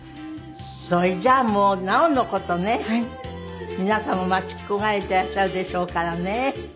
それじゃあもうなおの事ね皆様待ち焦がれていらっしゃるでしょうからね。